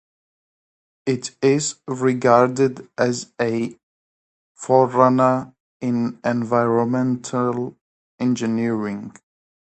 It is regarded as a forerunner in environmental engineering.